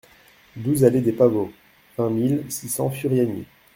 douze allée des Pavots, vingt mille six cents Furiani